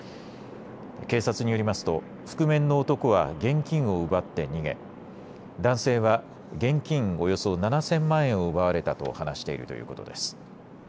警察によりますと覆面の男は現金を奪って逃げ、男性は現金およそ７０００万円を奪われたと話しているということです。